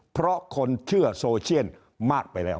เพราะคนเชื่อโซเชียนมากไปแล้ว